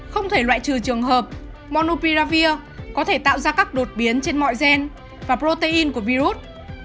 không thể loại trừ trường hợp monopiravir có thể tạo ra các đột biến trên mọi gen và protein của virus